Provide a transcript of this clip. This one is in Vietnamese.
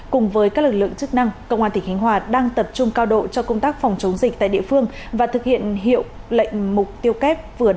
cùng với các lực lượng chức năng công an tỉnh khánh hòa đang tập trung cao độ cho công tác phòng chống dịch tại địa phương và thực hiện hiệu lệnh mục tiêu kép vừa đạt